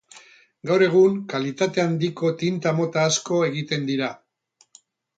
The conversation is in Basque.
Gaur egun, kalitate handiko tinta mota asko egiten dira.